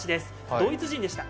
ドイツ人でした。